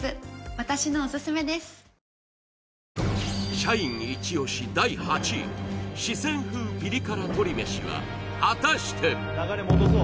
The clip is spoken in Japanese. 社員イチ押し第８位四川風ピリ辛鶏飯は果たして？